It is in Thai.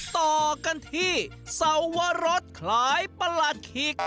ต่อกันที่เศร้าวรทไขลปรถคิก